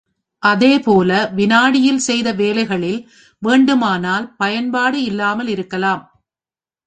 அதுபோல, விநாடியில் செய்த வேலைகளில் வேண்டுமானால் பயன்பாடு இல்லாமல் இருக்கலாம்.